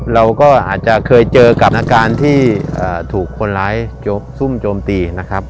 เราก็อาจจะเคยเจอกับอาการที่ถูกคนร้ายซุ่มโจมตีนะครับ